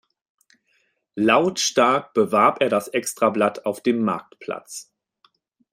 Lautstark bewarb er das Extrablatt auf dem Marktplatz.